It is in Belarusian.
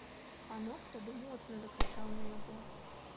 Панок тады моцна закрычаў на яго.